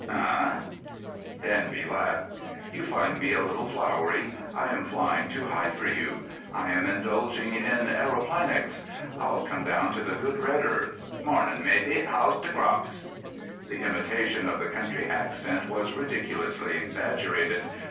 "Eh?" Danby laughed. "You find me a little flowery; I am flying too high for you. I am indulging in aeroplanics. I'll come down to the good red earth. Marnin', matey. How's t'crops?" The imitation of the country accent was ridiculously exaggerated.